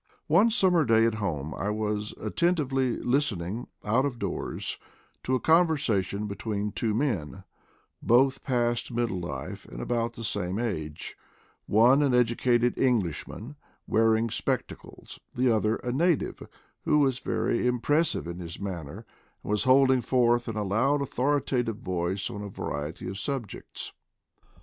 One summer day at home, I was attentively listening, out of doors, to a conversation between two men, both past middle life and about the same age, one an educated Englishman, wearing spec tacles, the other a native, who was very impressive in his manner, and was holding forth in a loud authoritative voice on a variety of subjects.